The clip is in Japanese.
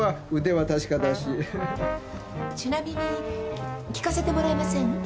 ちなみに聞かせてもらえません？